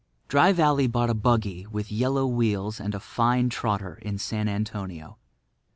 Dry Valley bought a buggy with yellow wheels and a fine trotter in San Antonio.